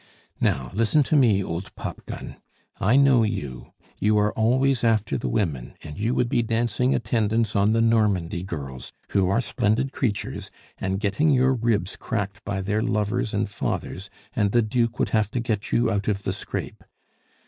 "Now, listen to me, old popgun. I know you; you are always after the women, and you would be dancing attendance on the Normandy girls, who are splendid creatures, and getting your ribs cracked by their lovers and fathers, and the Duke would have to get you out of the scrape.